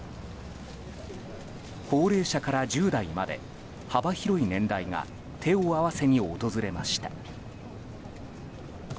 高齢者から１０代まで幅広い年代が手を合わせに訪れました。